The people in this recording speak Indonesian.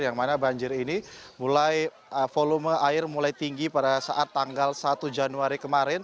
yang mana banjir ini mulai volume air mulai tinggi pada saat tanggal satu januari kemarin